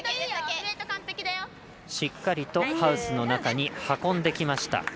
しっかりとハウスの中に運んできました。